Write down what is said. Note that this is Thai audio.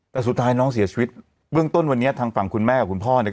แต่สุดท้ายน้องเสียชีวิตเบื้องต้นวันนี้ทางฝั่งคุณแม่กับคุณพ่อเนี่ย